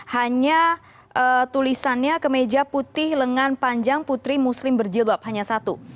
hanya tulisannya kemeja putih lengan panjang putri muslim berjilbab hanya satu